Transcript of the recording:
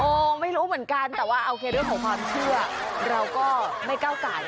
โอ้ไม่รู้เหมือนกันแต่ว่าโอเคด้วยความเชื่อเราก็ไม่ก้าวกาย